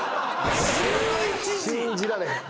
信じられへん。